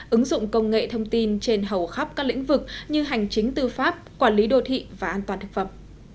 ứng dụng công nghệ thông tin trên hầu khắp các lĩnh vực như hành chính tư pháp quản lý đô thị và an toàn thực phẩm